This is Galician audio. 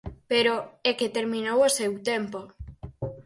Pero é que terminou o seu tempo.